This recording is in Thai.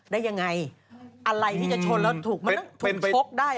ได้ยังไงอะไรที่จะชนแล้วถูกชกได้